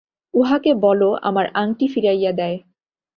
উহাকে বলো, আমার আংটি ফিরাইয়া দেয়।